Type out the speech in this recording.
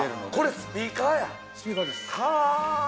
スピーカーです。